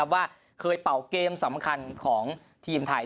ว่าเคยเป่าเกมสำคัญของทีมไทย